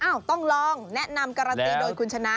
อ้าวต้องลองแนะนำกราตีโดยคุณชนะ